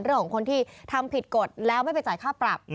เรื่องของคนที่ทำผิดกฎแล้วไม่ไปจ่ายค่าปรับ